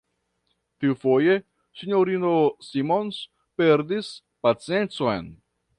Tiufoje, S-ino Simons perdis paciencon.